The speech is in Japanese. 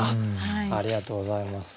ありがとうございます。